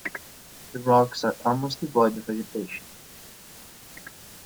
The rocks are almost devoid of vegetation.